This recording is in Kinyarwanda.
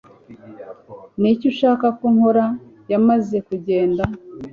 niki ushaka ko nkora? yamaze kugenda